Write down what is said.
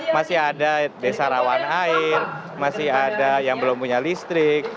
masih ada desa rawan air masih ada yang belum punya listrik